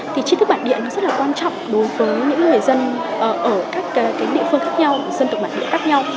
thì chi thức bản địa nó rất là quan trọng đối với những người dân ở các địa phương khác nhau dân tộc bản địa khác nhau